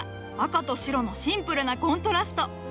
赤と白のシンプルなコントラスト。